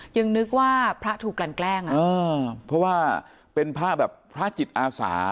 ยังนึกว่าพระถูกกลั่นแกล้งอ่ะเพราะว่าเป็นพระแบบพระจิตอาสา